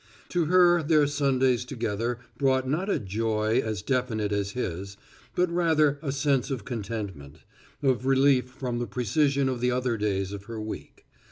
To her their Sundays together brought not a joy as definite as his, but rather a sense of contentment, of relief from the precision of the other days of her week.